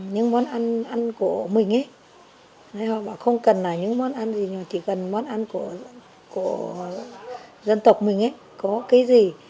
những món ăn của mình ấy không cần là những món ăn gì chỉ cần món ăn của dân tộc mình ấy có cái gì